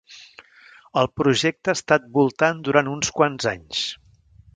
El projecte ha estat voltant durant uns quants anys.